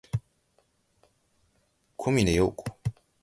小峰洋子